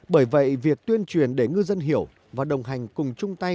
bởi vậy việc tuyên truyền để ngư dân hiểu và đồng hành cùng chung tay